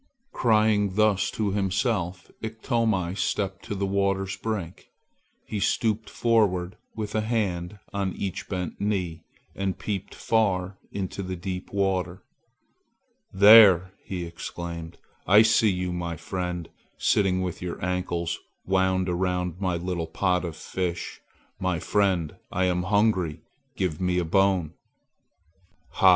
Crying thus to himself, Iktomi stepped to the water's brink. He stooped forward with a hand on each bent knee and peeped far into the deep water. "There!" he exclaimed, "I see you, my friend, sitting with your ankles wound around my little pot of fish! My friend, I am hungry. Give me a bone!" "Ha! ha!